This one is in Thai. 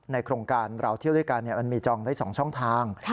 โครงการเราเที่ยวด้วยกันมันมีจองได้๒ช่องทาง